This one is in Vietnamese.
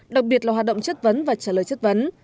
đặc biệt là hoạt động chất vấn và trả lời chất vấn